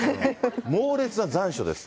猛烈な残暑です。